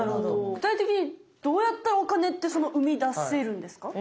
具体的にどうやったらお金ってうみだせるんですか？